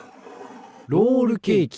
ロールケーキ。